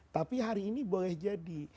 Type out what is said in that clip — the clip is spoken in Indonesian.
tapi hari ini boleh jadi